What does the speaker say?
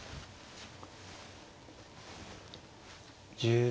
１０秒。